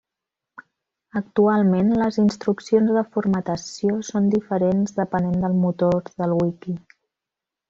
Actualment les instruccions de formatació són diferents depenent del motor del wiki.